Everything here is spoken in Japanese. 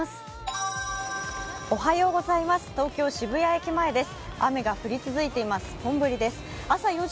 東京・渋谷駅前です。